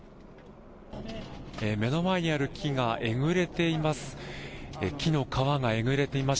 目の前にある木がえぐれています。